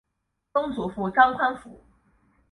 曾祖父张宽甫。